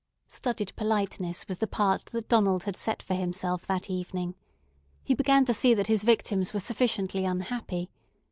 Studied politeness was the part that Donald had set for himself that evening. He began to see that his victims were sufficiently unhappy.